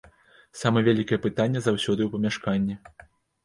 Самае вялікае пытанне заўсёды ў памяшканні.